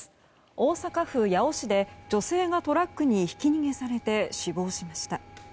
大阪府八尾市で女性がトラックにひき逃げされて死亡しました。